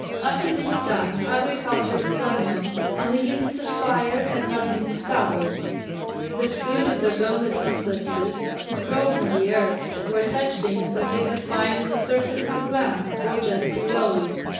Up to this time agriculture was unknown, and the uses of fire had not been discovered. The food of their boneless ancestors who crawled on the earth were such things as they could find on the surface of the ground or just below it.